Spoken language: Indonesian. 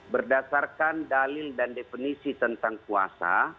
berdasarkan dalil dan definisi tentang kuasa